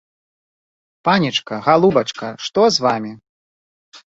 Панечка, галубачка, што з вамі?